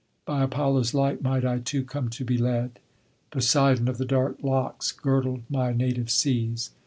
By Apollo's light might I too come to be led. Poseidon of the dark locks girdled my native seas.